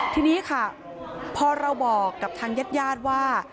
ทีนี้ค่ะพ่อเราบอกกับทางเย็ดว่า